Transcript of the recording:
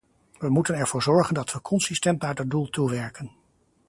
We moeten ervoor zorgen dat we consistent naar dat doel toewerken.